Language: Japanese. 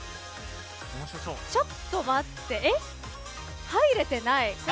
ちょっと待って、入れてない。